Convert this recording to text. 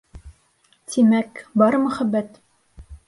Тимәк, бар мөхәббәт?